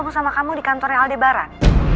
kamu sama kamu di kantornya aldebaran